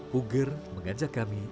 puger mengajak kami